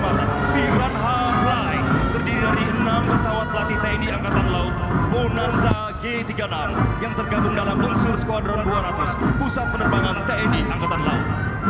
pesawat piranha terdiri dari enam pesawat latih tni angkatan laut bonanza g tiga puluh enam yang tergabung dalam konsur skuadron dua ratus pusat penerbangan tni angkatan laut